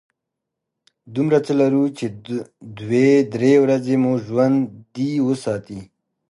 دومره څه لرو چې دوې – درې ورځې مو ژوندي وساتي.